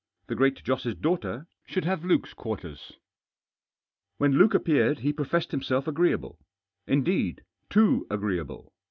The Great Joss* daughter should have Luke's quavers. \Vhen Lul$e appeared \ie professed himself agre e * able. Indeed* too agreeable.